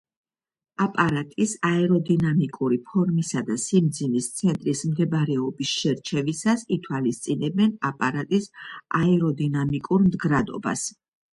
აპარატის აეროდინამიკური ფორმისა და სიმძიმის ცენტრის მდებარეობის შერჩევისას ითვალისწინებენ აპარატის აეროდინამიკურ მდგრადობას.